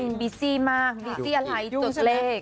เจ๊กะนินบิซี่มากบิซี่อะไรจดเลข